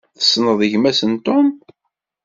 Tessneḍ gma-s n Tom?